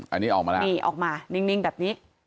อันนี้ออกมาแล้วนี่ออกมานิ่งแบบนี้